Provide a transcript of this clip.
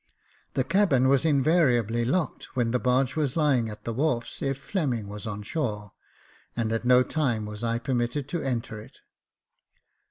The cabin was invariably locked when the barge was lying at the wharfs. If Fleming was on shore, and at no time was I permitted to enter It.